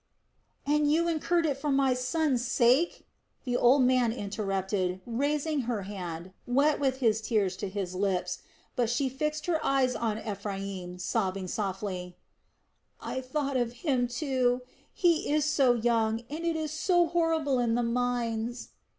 "And you incurred it for my son's sake," the old man interrupted, raising her hand, wet with his tears, to his lips; but she fixed her eyes on Ephraim, sobbing softly: "I thought of him too. He is so young, and it is so horrible in the mines."